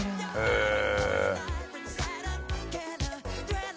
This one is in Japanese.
へえ。